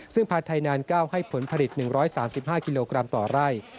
ซึ่งผัดไทยนาน๙ให้ผลผลิต๑๓๕กิโลกรัมต่อไร่